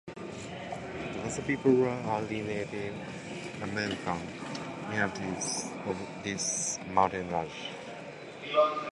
The Coso People were early Native American inhabitants of this mountain range.